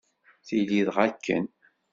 Tili dɣa akken!